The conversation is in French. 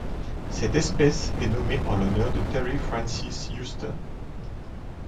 Cette espèce est nommée en l'honneur de Terry Francis Houston.